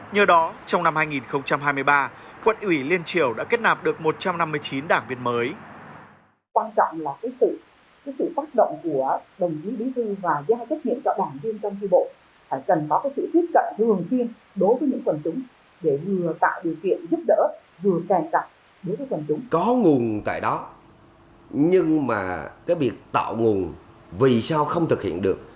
nhờ đó trong năm hai nghìn hai mươi ba quận ủy liên triểu đã kết nạp được một trăm năm mươi chín đảng viên mới